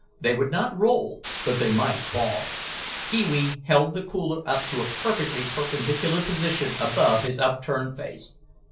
They would not roll but they might fall. Pee wee held the cooler up to a perfectly perpendicular position above his upturned face.